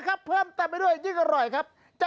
เกิดไม่ทันอ่ะ